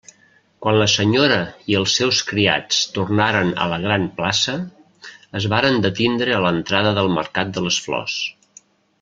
Quan la senyora i els seus criats tornaren a la gran plaça, es varen detindre a l'entrada del mercat de les flors.